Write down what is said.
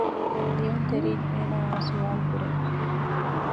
ލިޔުންތެރީން އޭނާއާ ސުވާލުކުރޭ